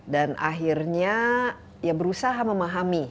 dan akhirnya ya berusaha memahami